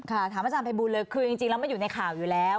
ค่ะถามอาจารย์ไปบูรณ์เลยคือจริงเราไม่อยู่ในข่าวอยู่แล้ว